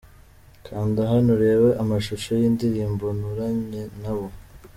Kanda hano urebe amashusho y'indirimbo 'Nturanye nabo' .